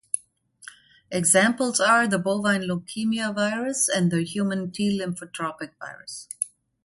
Examples are the bovine leukemia virus and the Human T-lymphotropic virus.